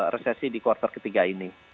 resesi di kuartal ketiga ini